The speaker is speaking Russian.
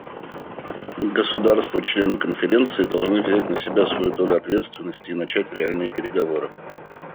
Государства — члены Конференции должны взять на себя свою долю ответственности и начать реальные переговоры.